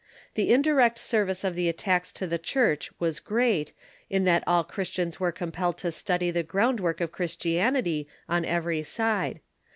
The indirect service of the attacks to the Church was great, in that all Christians were compelled to study the groundwork of Chris tianity, on every side.